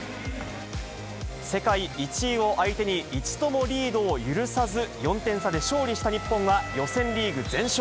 世界１位を相手に、一度もリードを許さず、４点差で勝利した日本は、予選リーグ全勝。